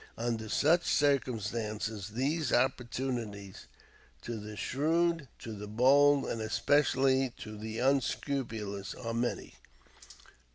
Under such circumstances these opportunities to the shrewd, to the bold, and especially to the unscrupulous, are many.